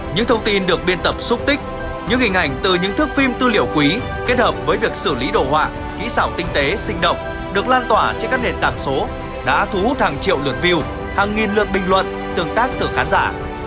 những thông tin được biên tập xúc tích những hình ảnh từ những thước phim tư liệu quý kết hợp với việc xử lý đồ họa kỹ xảo tinh tế sinh động được lan tỏa trên các nền tảng số đã thu hút hàng triệu lượt view hàng nghìn lượt bình luận tương tác từ khán giả